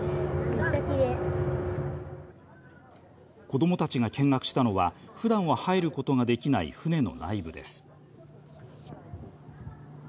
子どもたちが見学したのはふだんは入ることができない船の内部です。